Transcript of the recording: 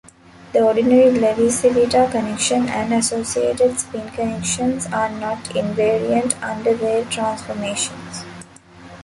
The ordinary Levi-Civita connection and associated spin connections are not invariant under Weyl transformations.